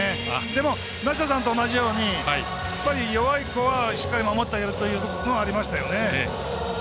でも、梨田さんと同じように弱い子はしっかり守ってあげるというのはありました。